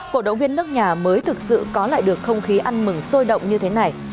cổ động viên nước nhà mới thực sự có lại được không khí ăn mừng sôi động như thế này